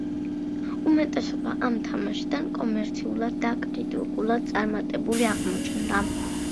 უმეტესობა ამ თამაშებიდან კომერციულად და კრიტიკულად წარმატებული აღმოჩნდა.